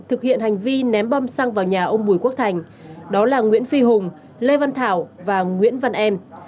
thực hiện hành vi ném bom xăng vào nhà ông bùi quốc thành đó là nguyễn phi hùng lê văn thảo và nguyễn văn em